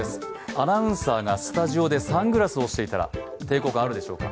アナウンサーがスタジオでサングラスをしていたら抵抗感あるでしょうか？